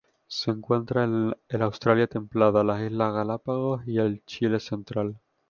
Se encuentra en el Australia templada, las Islas Galápagos y el Chile central.